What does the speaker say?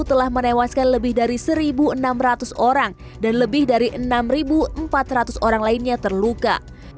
telah menewaskan lebih dari satu enam ratus orang dan lebih dari enam empat ratus orang lainnya terluka